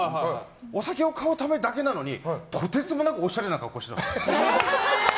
お酒を買うためだけなのにとてつもなくおしゃれな格好してたんです。